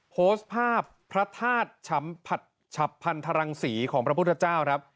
โพสต์ภาพพระธาตุฉับพันธรังศรีของพระพุทธเจ้าครับ